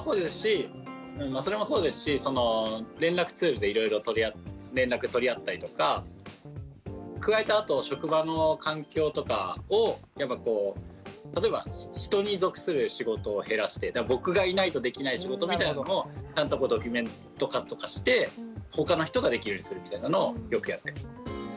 まあそれもそうですし連絡ツールでいろいろ連絡取り合ったりとか加えてあと職場の環境とかを例えば人に属する仕事を減らして僕がいないとできない仕事みたいのもドキュメント化とかして他の人ができるようにするみたいなのをよくやっています。